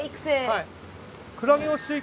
はい。